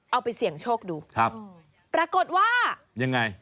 เอาไปเสี่ยงโชคดูครับปรากฏว่ายังไง